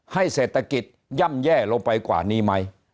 ให้เศรษฐกิจย่ำแย่ลงไปกว่านี้ไหม